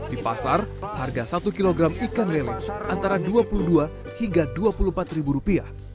di pasar harga satu kg ikan lele antara rp dua puluh dua hingga rp dua puluh empat